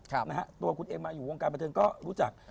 ตัวคุณเอ็มมาอยู่วงการประเทิงก็รู้จัก